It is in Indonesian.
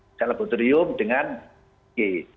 misalnya abuterium dengan g